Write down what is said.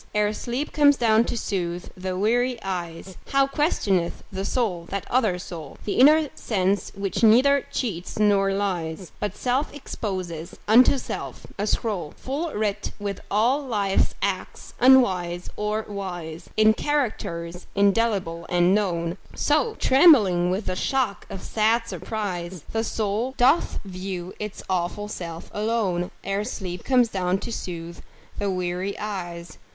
Ere sleep comes down to soothe the weary eyes, How questioneth the soul that other soul, The inner sense which neither cheats nor lies, But self exposes unto self, a scroll Full writ with all life's acts unwise or wise, In characters indelible and known; So, trembling with the shock of sad surprise, The soul doth view its awful self alone, Ere sleep comes down to soothe the weary eyes.